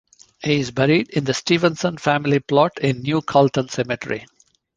He is buried in the Stevenson family plot in New Calton Cemetery.